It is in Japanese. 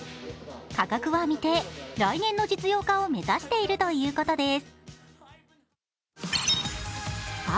価格は未定、来年の実用化を目指しているということです。